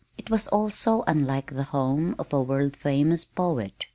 It was all so unlike the home of a world famous poet.